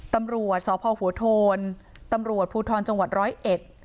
ตำรวจสพหัวโทนตำรวจภูทรจังหวัดร้อยเอ็ด